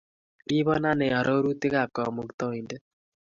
Ripon anee arorutik ap Kamuktaindet.